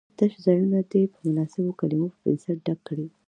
تش ځایونه دې په مناسبو کلمو په پنسل ډک کړي.